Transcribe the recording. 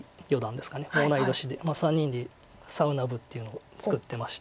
３人でサウナ部っていうのを作ってまして。